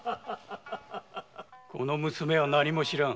この娘は何も知らん。